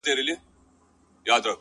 خو دده زامي له يخه څخه رېږدي!!